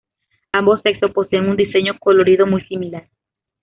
Ambos sexos poseen un diseño y colorido muy similar.